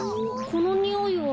このにおいは。